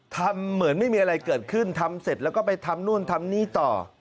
ทำเหมือนไม่มีอะไรเกิดขึ้นทำเสร็จแล้วก็ไปทำนู่นทำนี่ต่อ